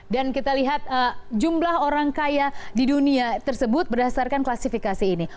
dan kita lihat jumlah orang kaya di dunia tersebut berdasarkan klasifikasi ini